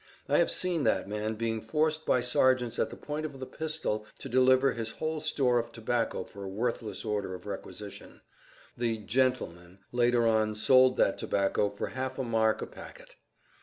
I have seen that man being forced by sergeants at the point of the pistol to deliver his whole store of tobacco for a worthless order of requisition. The "gentlemen" later on sold that tobacco for half a mark a packet.